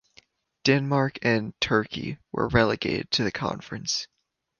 Denmark and Turkey were relegated to the Conference.